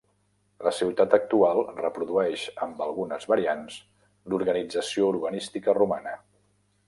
La ciutat actual reprodueix, amb algunes variants, l'organització urbanística romana.